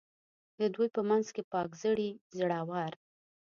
د دوی په منځ کې پاک زړي، زړه ور.